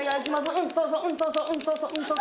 うんそうそううんそうそう。